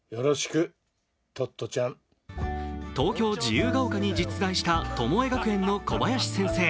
東京・自由が丘に実在したトモエ学園の小林校長先生。